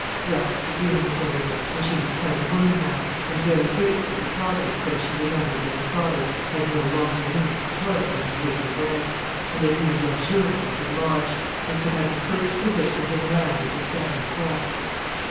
Well, the dream was over: and she was quite a woman now, and very grateful to Providence when she remembered that her father had no longer need to toil for his daily bread, and that he was luxuriously lodged, and could have the first physicians in the land at his beck and call.